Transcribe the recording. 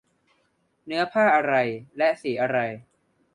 เนื้อผ้าอะไร และสีอะไร